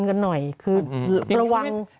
อดทนกันหน่อยคือประวัง